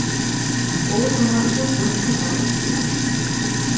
ও তোমার ওপর পরীক্ষা চালাচ্ছিল।